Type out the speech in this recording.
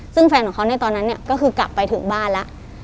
ซึ่งแฟนของเขาในตอนนั้นเนี่ยก็คือกลับไปถึงบ้านแล้ว